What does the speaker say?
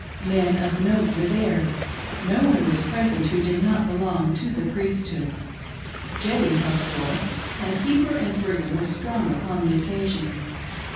Men of note were there — no one was present who did not belong to the Priesthood. "Jeddy" held forth, and Heber and Brigham were strong upon the occasion.